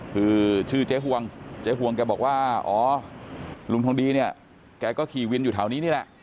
คือชื่อเจ๊ห่วงเจ๊ห่วงแกบอกว่าอ๋อลุงทองดีเนี่ยแกก็ขี่วินอยู่แถวนี้นี่แหละ